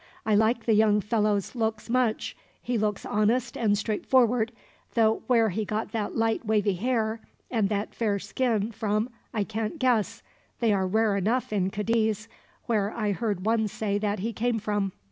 I like the young fellow's looks much. He looks honest and straightforward, though where he got that light wavy hair and that fair skin from I can't guess they are rare enough in Cadiz, where I heard one say that he came from."